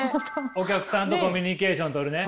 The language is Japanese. お客さんとコミュニケーションとるね。